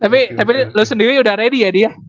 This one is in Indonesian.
tapi tapi lu sendiri udah ready ya di ya